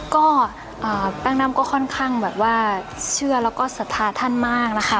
ก็แป้งน้ำก็ค่อนข้างแบบว่าเชื่อแล้วก็ศรัทธาท่านมากนะคะ